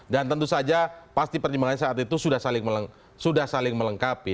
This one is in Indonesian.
dan tentu saja pasti pertimbangan saat itu sudah saling melengkapi